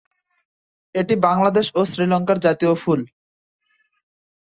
এটি বাংলাদেশ ও শ্রীলংকার জাতীয় ফুল।